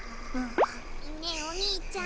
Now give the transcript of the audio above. ねえおにいちゃん。